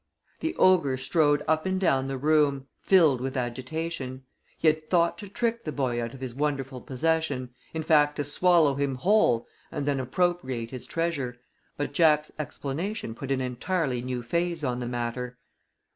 The ogre strode up and down the room, filled with agitation. He had thought to trick the boy out of his wonderful possession in fact, to swallow him whole and then appropriate his treasure, but Jack's explanation put an entirely new phase on the matter.